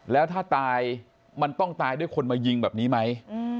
แล้วถ้าตายมันต้องตายด้วยคนมายิงแบบนี้ไหม